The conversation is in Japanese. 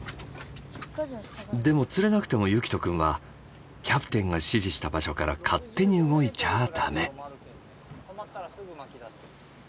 でも釣れなくても結季斗くんはキャプテンが指示した場所から勝手に動いちゃダメ。